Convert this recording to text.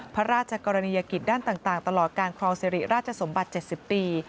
พระราชกรณียกิจด้านต่างตลอดการครองสิริราชสมบัติ๗๐ปี